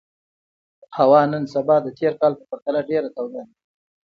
هوا نن سبا د تېر کال په پرتله ډېره توده ده.